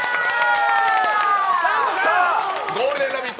さあ、「ゴールデンラヴィット！」